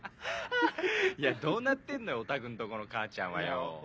いやどうなってんのよおたくのとこの母ちゃんはよ。フフフフ。